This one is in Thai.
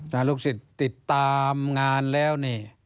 ถ้าลูกศิษย์ติดตามงานแล้วนี่